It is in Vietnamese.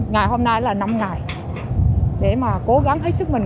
ngày hôm nay là năm ngày để mà cố gắng hết sức mình